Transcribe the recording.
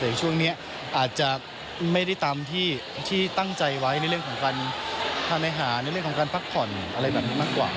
แต่ช่วงนี้อาจจะไม่ได้ตามที่ตั้งใจไว้ในเรื่องของการทานอาหารในเรื่องของการพักผ่อนอะไรแบบนี้มากกว่า